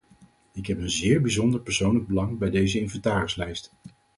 Ik heb een zeer bijzonder persoonlijk belang bij deze inventarislijst.